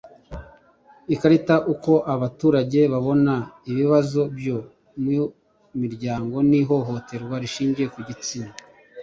Ikarita Uko abaturage babona ibibazo byo mu miryango n ihohoterwa rishingiye ku gitsina